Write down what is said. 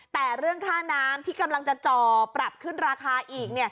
แต่เรื่องค่าน้ำที่กำลังจะจ่อปรับขึ้นราคาอีก